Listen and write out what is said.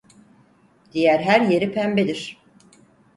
Diğer her yeri pembedir.